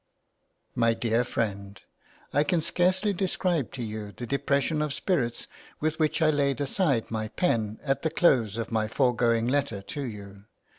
MY DEAR FRIEND, I can scarcely describe to you the depression of spirits with which I laid aside my pen at the close of my foregoing letter to you.